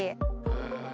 へえ。